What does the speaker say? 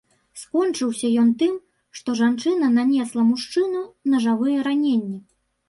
Скончыўся ён тым, што жанчына нанесла мужчыну нажавыя раненні.